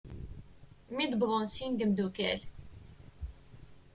Mi d-wwḍen sin n yimddukal.